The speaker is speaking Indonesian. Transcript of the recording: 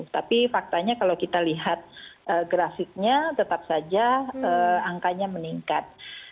tapi faktanya kalau kita lihat grafiknya tetap saja angkanya meningkat